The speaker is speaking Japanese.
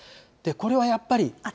これはやっぱり。